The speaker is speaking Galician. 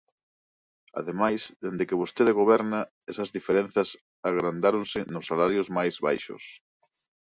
Ademais, dende que vostede goberna, esas diferenzas agrandáronse nos salarios máis baixos.